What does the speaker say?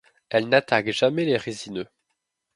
Elles n'attaquent jamais les résineux.